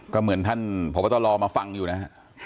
ก็เหมือนท่านผมก็ต้องรอมาฟังอยู่นะครับ